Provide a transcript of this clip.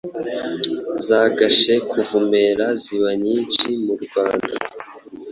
Zagashe kuvumera Ziba nyinshi mu Rwanda,